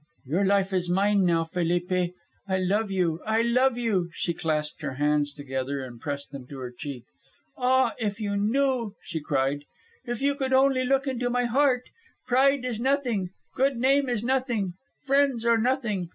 Your life is mine now, Felipe. I love you, I love you." She clasped her hands together and pressed them to her cheek. "Ah, if you knew," she cried; "if you could only look into my heart. Pride is nothing; good name is nothing; friends are nothing.